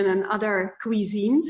dan juga untuk kuisin lainnya